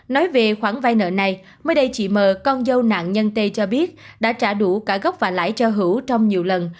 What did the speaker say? nói về khoản vai nợ này mới đây chị mờ con dâu nạn nhân tê cho biết đã trả đủ cả gốc và lãi cho hữu trong nhiều lần